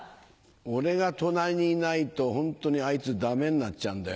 俺が隣にいないとホントにあいつダメになっちゃうんだよ。